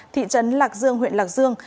thị trấn lạc dương huyện lạc dương